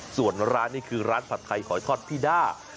ส่วนร้านนี้คือร้านผัดไทยหอยทอดพี่ด้า